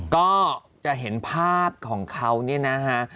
ก็จะเห็นภาพของเขาเนี่ยนะฮะ